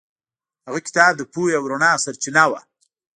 هغه کتاب د پوهې او رڼا سرچینه وه.